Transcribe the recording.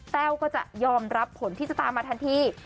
แต้วก็จะยอมรับผลที่จะตามมาทันที